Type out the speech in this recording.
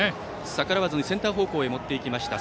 逆らわずにセンター方向へ持っていきました。